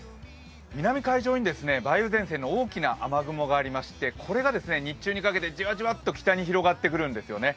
南海上に梅雨前線の大きな雨雲がありましてこれが日中にかけてじわじわと北に広がってくるんですよね。